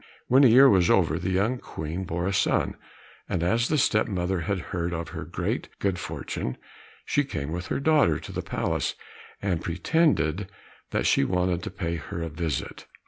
When a year was over, the young Queen bore a son, and as the step mother had heard of her great good fortune, she came with her daughter to the palace and pretended that she wanted to pay her a visit.